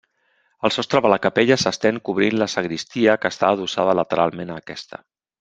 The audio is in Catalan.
El sostre de la capella s'estén cobrint la sagristia que està adossada lateralment a aquesta.